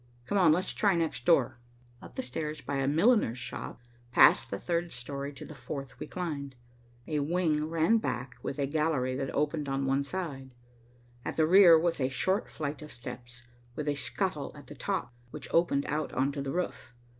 Come on, let's try next door." Up the stairs by a milliner's shop, past the third story, to the fourth, we climbed. A wing ran back, with a gallery that opened on one side. At the rear was a short flight of steps, with a scuttle at the top, which opened out on the roof.